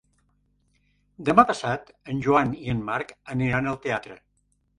Demà passat en Joan i en Marc aniran al teatre.